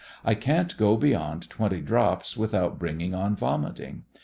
I can't go beyond twenty drops without bringing on vomiting.